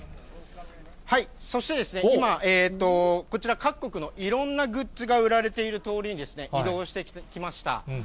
そして今、こちら、各国のいろんなグッズが売られている通りに移動してきました。